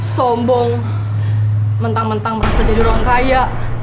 sombong mentang mentang merasa jadi orang kaya